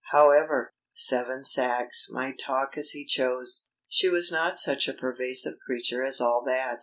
However, Seven Sachs might talk as he chose she was not such a persuasive creature as all that!